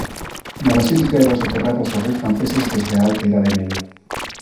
Na basílica eran soterrados os reis franceses desde a Alta Idade Media.